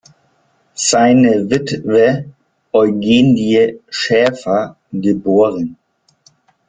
Seine Witwe Eugenie Schaefer geb.